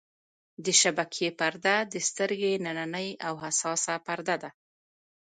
د شبکیې پرده د سترګې نننۍ او حساسه پرده ده.